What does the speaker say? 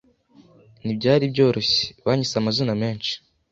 ntibyari byoroshye. Banyise amazina menshi,